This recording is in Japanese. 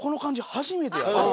初めてやと。